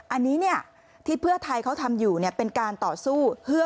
อันนี้ที่เพื่อไทยเขาทำอยู่เป็นการต่อสู้เพื่อ